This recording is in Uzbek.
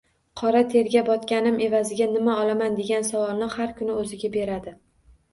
Qora terga botganim evaziga nima olaman, degan savolni har kuni o‘ziga beradi.